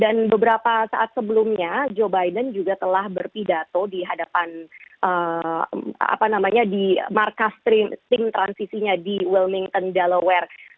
dan beberapa saat sebelumnya joe biden juga telah berpidato di hadapan apa namanya di markas transisinya di wilmington delaware